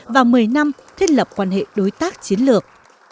và một mươi năm thiết lập quan hệ đối tác chiến lược